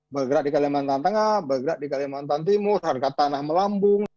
bergerak di kalimantan tengah bergerak di kalimantan timur harga tanah melambung